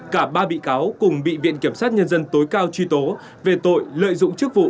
cả ba bị cáo cùng bị viện kiểm sát nhân dân tối cao truy tố về tội lợi dụng chức vụ